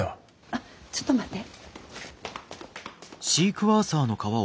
あっちょっと待って。